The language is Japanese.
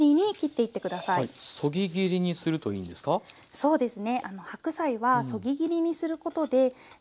そうですね